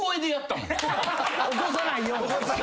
起こさないよう？